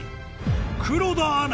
黒田アナ